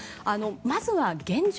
まずは現状